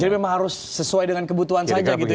jadi memang harus sesuai dengan kebutuhan saja gitu